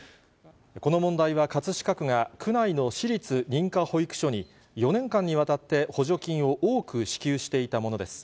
この問題は、葛飾区が区内の私立認可保育所に、４年間にわたって補助金を多く支給していたものです。